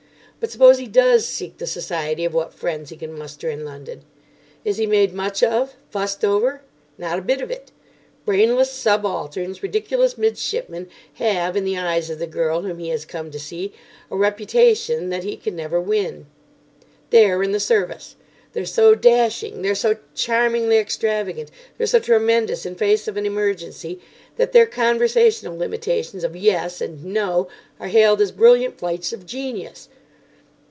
But suppose he does seek the society of what friends he can muster in London. Is he made much of, fussed over? Not a bit of it. Brainless subalterns, ridiculous midshipmen, have, in the eyes of the girl whom he has come to see, a reputation that he can never win. They're in the Service; they're so dashing; they're so charmingly extravagant; they're so tremendous in face of an emergency that their conversational limitations of "Yes" and "No" are hailed as brilliant flights of genius.